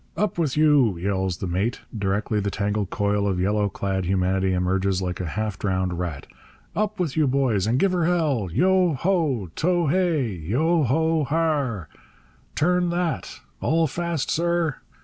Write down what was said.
'Up with you!' yells the mate, directly the tangled coil of yellow clad humanity emerges like a half drowned rat, 'Up with you, boys, and give her hell!' Yo ho! To hay! Yo ho harrhh! 'Turn that!' 'All fast, sir!'